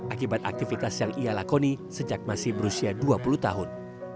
akibat aktivitas yang ia lakoni sejak masih berusia dua puluh tahun